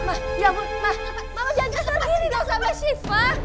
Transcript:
ma ya ampun ma mama jangan kasar diri sama siva